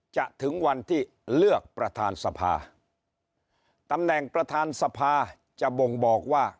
ถึงวันที่เลือกประธานสภาตำแหน่งประธานสภาจะบ่งบอกว่า